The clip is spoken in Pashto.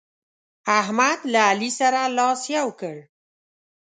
احمد له علي سره لاس يو کړ.